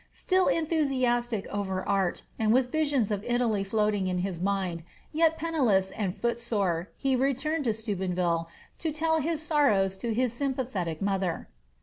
Still enthusiastic over art, and with visions of Italy floating in his mind, yet penniless and footsore, he returned to Steubenville to tell his sorrows to his sympathetic mother.